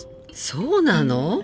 そうなの？